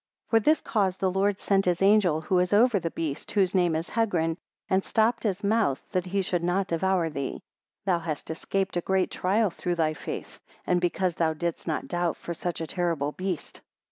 18 For this cause the Lord sent his angel, who is over the beast, whose name is Hegrin, and stopped his mouth, that he should not devour thee, Thou hast escaped a great trial through thy faith, and because thou didst not doubt for such a terrible beast.